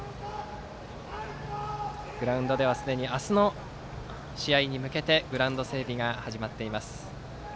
グラウンドではすでに明日の試合に向けてグラウンド整備が始まっています。